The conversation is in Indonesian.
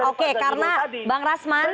oke karena bang rasman